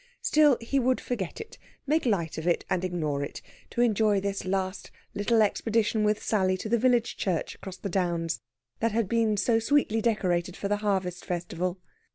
Still, he would forget it make light of it and ignore it to enjoy this last little expedition with Sally to the village church across the downs, that had been so sweetly decorated for the harvest festival.